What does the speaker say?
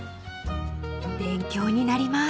［勉強になります］